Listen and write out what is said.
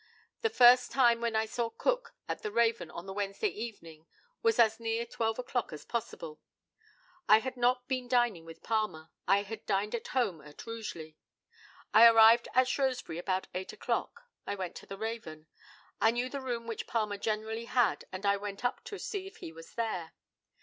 The first time when I saw Cook at the Raven on the Wednesday evening was as near twelve o'clock as possible. I had not been dining with Palmer. I had dined at home, at Rugeley. I arrived at Shrewsbury about eight o'clock. I went to the Raven. I knew the room which Palmer generally had, and I went up to see if he was there.